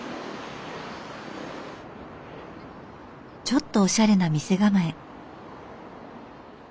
ちょっとおしゃれな店構え。